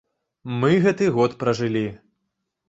Мы гэты год пражылі.